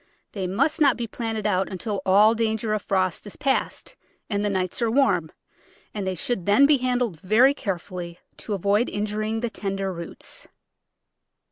They must not be planted out until all danger of frost is past and the nights are warm, and they should then be handled very carefully to avoid injuring the tender roots.